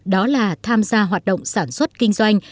đó là tham gia hoạt động sản xuất kinh doanh